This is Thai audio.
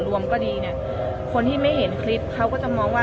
รวมก็ดีเนี่ยคนที่ไม่เห็นคลิปเขาก็จะมองว่า